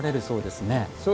そうですね